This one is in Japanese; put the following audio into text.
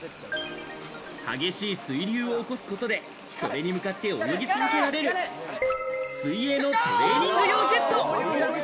激しい水流を起こすことで、それに向かって泳ぎ続けられる、水泳のトレーニング用ジェット。